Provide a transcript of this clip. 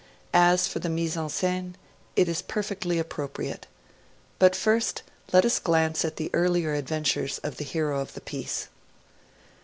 As for the mise en scene, it is perfectly appropriate. But first, let us glance at the earlier adventures of the hero of the piece.